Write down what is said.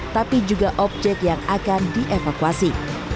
tapi juga objek yang akan dievakuasi